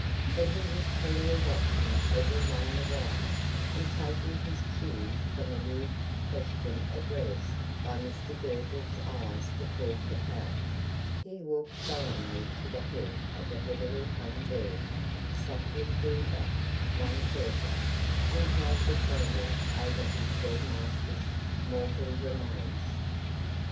But he was keenly watching every one the while, and, taking his cue from a mute question addressed by Mr Girtle's eyes to Paul Capel, he walked solemnly to the head of the heavily hung bed, softly drew back one curtain, and held the candle over his dead master's mortal remains.